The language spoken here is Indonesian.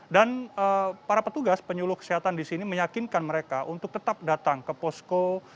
dan para petugas penyuluh kesehatan di sini meyakinkan mereka untuk tetap datang ke posko